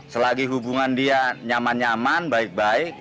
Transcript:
selagi hubungan dia nyaman nyaman baik baik